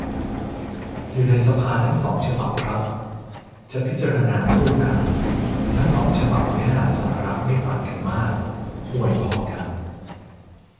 อยู่ในสภาทั้งสองฉบับครับ จะพิจารณาคู่กัน ทั้งสองฉบับเนื้อหาสาระไม่ต่างกันมาก ห่วยพอกัน